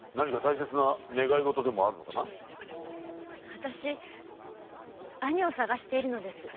私兄を探しているのです。